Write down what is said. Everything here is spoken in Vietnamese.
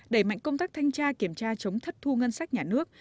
đẩy mạnh công tác thanh tra kiểm tra chống thất thu ngân sách nhà nước